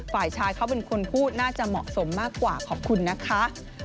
ฝ่ายชายเขาเป็นคนพูดน่าจะเหมาะสมมากกว่าขอบคุณนะคะ